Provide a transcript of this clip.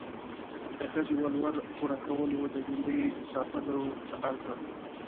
د ښځې ولور پوره کولو، د ژندې ساتلو ته اړ کړم.